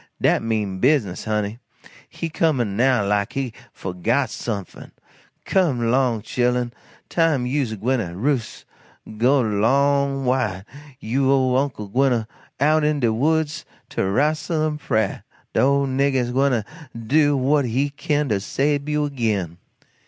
Dat mean business, honey. He comin' now like he fo'got sumfin. Come 'long, chil'en, time you's gwyne to roos'. Go 'long wid you ole Uncle Daniel gwyne out in de woods to rastle in prah de ole nigger gwyne to do what he kin to sabe you agin."